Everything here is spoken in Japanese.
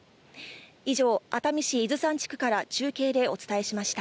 以上、熱海市伊豆山地区から中継でお伝えしました。